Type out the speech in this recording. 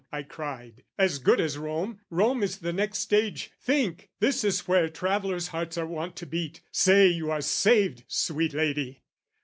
I cried, "As good as Rome, Rome is the next stage, think! "This is where travellers' hearts are wont to beat. "Say you are saved, sweet lady!"